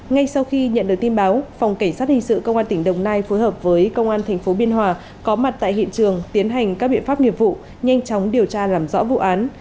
ngay sau khi nhận được tin báo phòng cảnh sát hình sự công an tỉnh đồng nai phối hợp với công an tp biên hòa có mặt tại hiện trường tiến hành các biện pháp nghiệp vụ nhanh chóng điều tra làm rõ vụ án